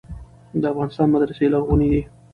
د افغانستان مدرسې لرغونې دي.